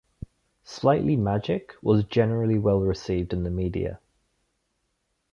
"Slightly Magic" was generally well received in the media.